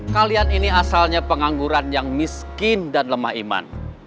kalian ini asalnya pengangguran yang miskin dan lemah iman